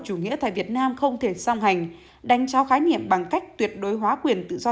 chủ nghĩa tại việt nam không thể song hành đánh trao khái niệm bằng cách tuyệt đối hóa quyền tự do